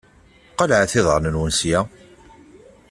Qelɛet iḍaṛṛen-nwen sya!